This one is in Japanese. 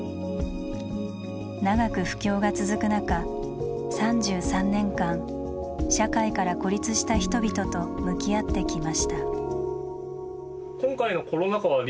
長く不況が続く中３３年間社会から孤立した人々と向き合ってきました。